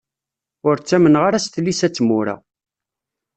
Ur ttamneɣ ara s tlisa d tmura.